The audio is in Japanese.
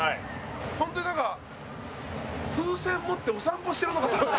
本当になんか風船持ってお散歩してるのかと思った。